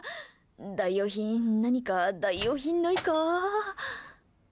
代用品何か、代用品ないか。